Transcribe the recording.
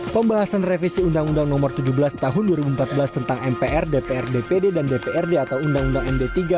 pembahasan revisi undang undang nomor tujuh belas tahun dua ribu empat belas tentang mpr dpr dpd dan dprd atau undang undang md tiga